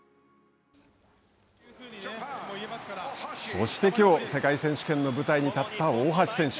そして、きょう世界選手権の舞台に立った大橋選手。